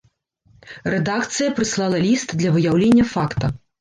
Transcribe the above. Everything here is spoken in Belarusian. Рэдакцыя прыслала ліст для выяўлення факта.